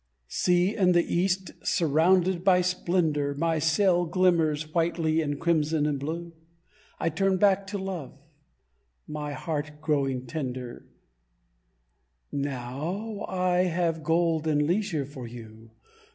See, in the East, surrounded by splendour, My sail glimmers whitely in crimson and blue; I turn back to Love, my heart growing tender, "Now I have gold and leisure for you.